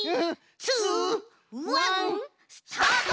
ツーワンスタート！